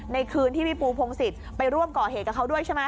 ในคืนที่พี่ปูพงศิษย์ไปร่วมก่อเหตุกับเขาด้วยใช่ไหม